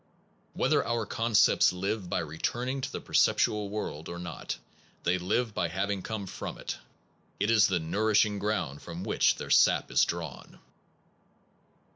Whether our concepts live by returning to the perceptual world or not, they live by having come from it. It is the nourishing ground from which their sap is drawn.